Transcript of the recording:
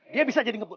dia bisa jadi ngebot